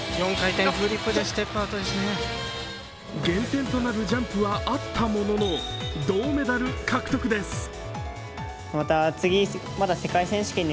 減点となるジャンプはあったものの銅メダル獲得です。